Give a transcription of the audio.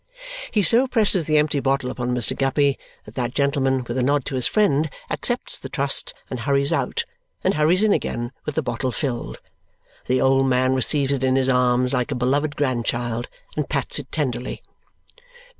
He so presses the empty bottle upon Mr. Guppy that that gentleman, with a nod to his friend, accepts the trust and hurries out and hurries in again with the bottle filled. The old man receives it in his arms like a beloved grandchild and pats it tenderly.